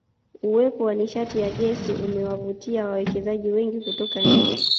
Uwepo wa nishati ya Gesi umewavutia wawekezaji wengi kutoka nje